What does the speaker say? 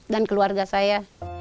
dan keluarga saya